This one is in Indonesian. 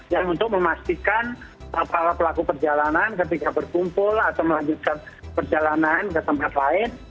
yang untuk memastikan para pelaku perjalanan ketika berkumpul atau melanjutkan perjalanan ke tempat lain